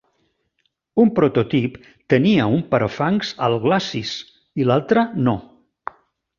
Un prototip tenia un parafangs al glacis i l'altre no.